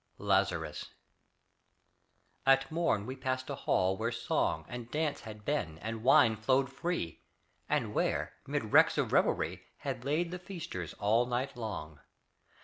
LAZARUS At morn we passed a hall where song And dance had been and wine flowed free, And where, 'mid wrecks of revelry, Had lain the feasters all night long.